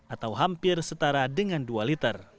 atau hampir setara dengan dua liter